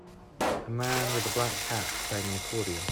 A man in a black hat playing an accordion.